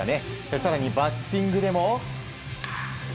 更にバッティングでも。